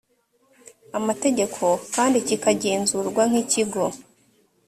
amategeko kandi kikagenzurwa nk ikigo